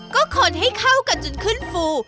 ก็คนให้เข้ากันจนขึ้นฟู